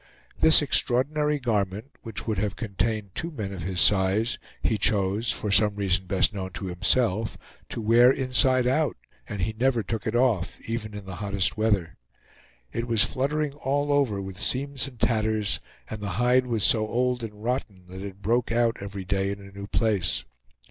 This extraordinary garment, which would have contained two men of his size, he chose, for some reason best known to himself, to wear inside out, and he never took it off, even in the hottest weather. It was fluttering all over with seams and tatters, and the hide was so old and rotten that it broke out every day in a new place.